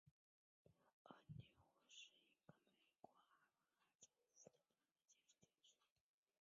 纽厄尔是一个位于美国阿拉巴马州兰道夫县的非建制地区。